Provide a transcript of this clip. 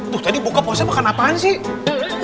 tuh tadi bokap ustadz makan apaan sih